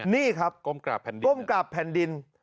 นี่ครับก้มกราบแผ่นดิน